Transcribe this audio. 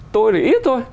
tôi để ý thôi